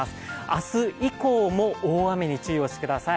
明日以降も大雨に注意してください。